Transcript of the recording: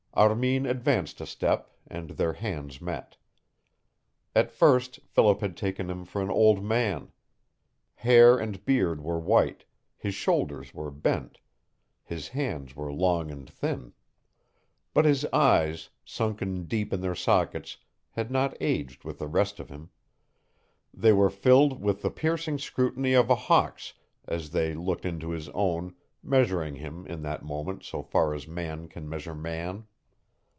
Armin advanced a step, and their hands met. At first Philip had taken him for an old man. Hair and beard were white, his shoulders were bent, his hands were long and thin. But his eyes, sunken deep in their sockets, had not aged with the rest of him. They were filled with the piercing scrutiny of a hawk's as they looked into his own, measuring him in that moment so far as man can measure man.